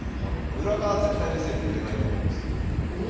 裏側は絶対見せてくれないと思うんですけど。